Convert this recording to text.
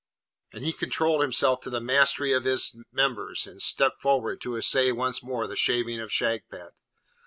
And he controlled himself to the mastery of his members, and stepped forward to essay once more the Shaving of Shagpat.